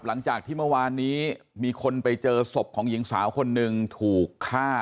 หลังจากที่เมื่อวานนี้มีคนไปเจอศพของหญิงสาวคนหนึ่งถูกฆ่า